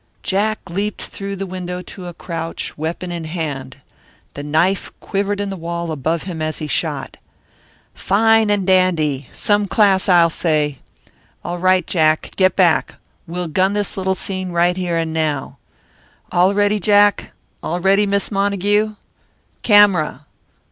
Jack leaped through the window to a crouch, weapon in hand. The knife quivered in the wall above him as he shot. "Fine and dandy. Some class, I'll say. All right, Jack. Get back. We'll gun this little scene right here and now. All ready, Jack, all ready Miss Montague camera!